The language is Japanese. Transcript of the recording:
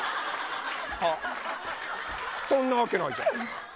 そんなわけないじゃん。